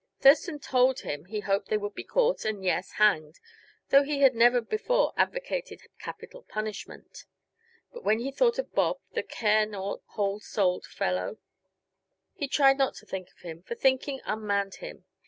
Thurston told him he hoped they would be caught and yes, hanged; though he had never before advocated capital punishment. But when he thought of Bob, the care naught, whole souled fellow. He tried not to think of him, for thinking unmanned him.